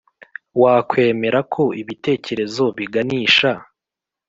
wakwemera ko ibitekerezo biganisha